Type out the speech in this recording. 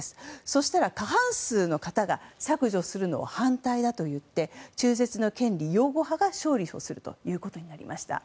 そうしたら過半数の方が削除するのを反対だと言って中絶の権利擁護派が勝利するということになりました。